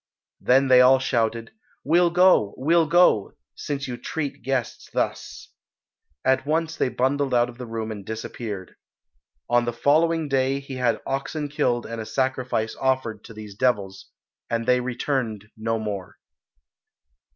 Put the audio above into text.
Then they all shouted, "We'll go, we'll go, since you treat guests thus." At once they bundled out of the room and disappeared. On the following day he had oxen killed and a sacrifice offered to these devils, and they returned no more.